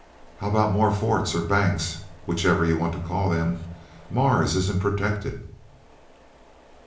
"How about more forts or banks, whichever you want to call them. Mars isn't protected."